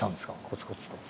コツコツと。